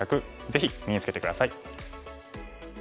ぜひ身につけて下さい。